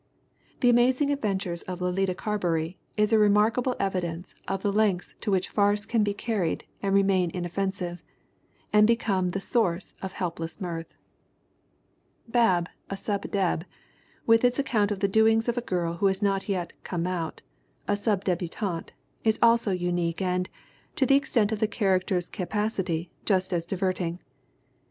The Amazing Adventures of Letitia Carberry is a remark able evidence of the lengths to which farce can be car ried and remain inoffensive and become the source of helpless mirth. Bab, a Sub Deb, with its account of the doings 01 a girl who has not yet "come out," a sub debutante, is also unique and, to the extent of the character's capac ity, just as diverting.